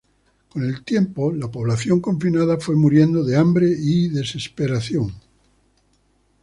Con el tiempo, la población confinada fue muriendo de hambre y desesperación.